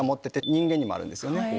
人間にもあるんですよね。